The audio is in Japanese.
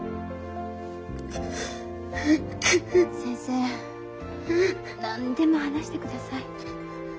先生何でも話してください。